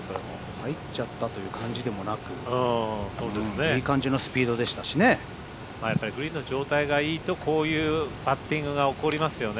入っちゃったという感じでもなくグリーンの状態がいいとこういうパッティングが起こりますよね。